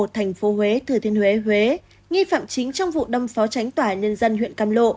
tp huế thừa thiên huế huế nghi phạm chính trong vụ đâm phó tránh tỏa nhân dân huyện cam lộ